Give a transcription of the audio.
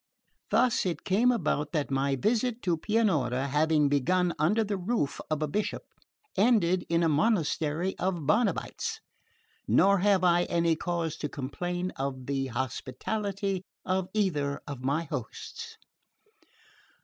Thus it came about that my visit to Pianura, having begun under the roof of a Bishop, ended in a monastery of Barnabites nor have I any cause to complain of the hospitality of either of my hosts...